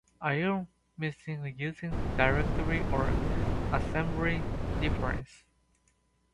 Are you missing a using directive or an assembly reference?